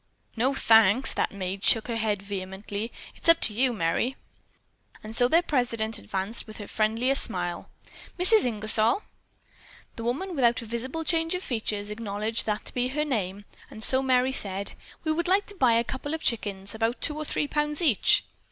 "No, thanks!" That maid shook her head vehemently. "It's up to you, Merry." And so their president advanced with her friendliest smile. "Mrs. Ingersol?" The woman, without a visible change of features, acknowledged that to be her name, and so Merry said: "We would like to buy a couple of chickens of about two or three pounds each."